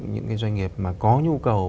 những cái doanh nghiệp mà có nhu cầu